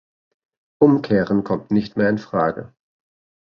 Umkehren kommt nicht mehr in Frage.